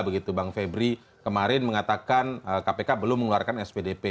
begitu bang febri kemarin mengatakan kpk belum mengeluarkan spdp